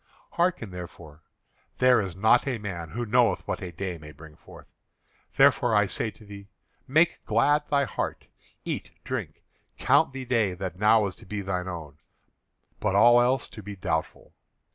Hearken therefore. There is not a man who knoweth what a day may bring forth. Therefore I say to thee: Make glad thy heart; eat, drink, count the day that now is to be thine own, but all else to be doubtful.